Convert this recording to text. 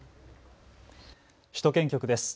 首都圏局です。